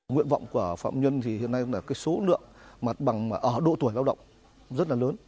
nguyện vọng của phạm nhân thì hiện nay là số lượng ở độ tuổi lao động rất là lớn